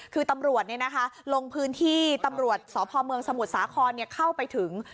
คือตำรวจลงพื้นที่ตำรวจสพเมืองสมุทรสาครเข้าไปถึง